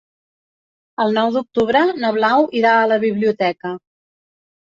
El nou d'octubre na Blau irà a la biblioteca.